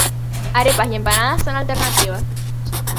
Arepas y empanadas son alternativas.